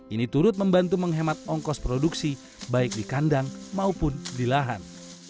ini turut membantu menghemat ongkos produksi baik di kandang maupun di lahan